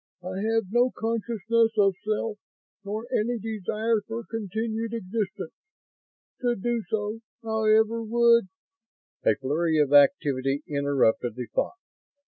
I have no consciousness of self nor any desire for continued existence. To do so, however, would ..." A flurry of activity interrupted the thought.